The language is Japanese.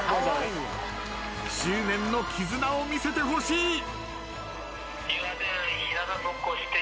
１０年の絆を見せてほしい。